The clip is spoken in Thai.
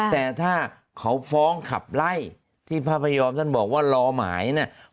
แต่ถ้าเขาฟ้องขับไล่ที่พระพยอมท่านบอกว่ารอหมายเนี่ย